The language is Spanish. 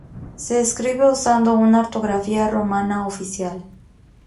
Se escribe usando una ortografía romana oficial.